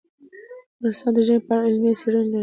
افغانستان د ژمی په اړه علمي څېړنې لري.